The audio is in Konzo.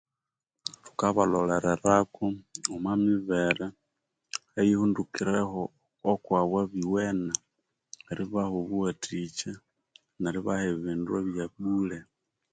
Thukabalholererako omwamibere eyihundukireho okwabu abiwene eribaha obuwathikya neribaha ebindu ebya bule